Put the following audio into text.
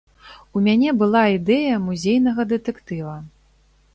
У мяне была ідэя музейнага дэтэктыва.